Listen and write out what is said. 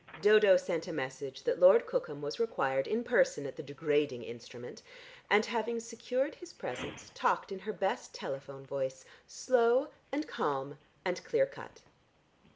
Dodo sent a message that Lord Cookham was required in person at the degrading instrument, and having secured his presence talked in her best telephone voice, slow and calm and clear cut.